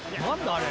あれ。